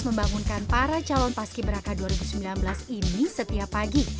membangunkan para calon paski beraka dua ribu sembilan belas ini setiap pagi